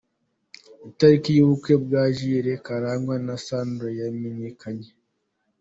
Itariki y'ubukwe bwa Jules Karangwa na Sandra yamenyekanye.